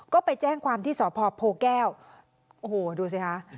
ก็ไปแจ้งความที่สพโพแก้วโอ้โหดูสิคะ